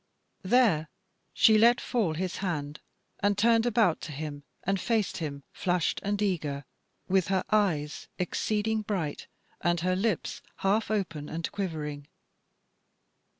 There she let fall his hand and turned about to him and faced him flushed and eager, with her eyes exceeding bright and her lips half open and quivering.